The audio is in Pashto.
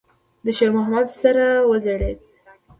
د شېرمحمد سر وځړېد.